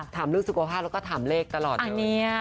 ถามเรื่องสุขภาพแล้วก็ถามเลขตลอดเลย